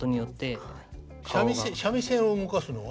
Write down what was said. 三味線を動かすのは。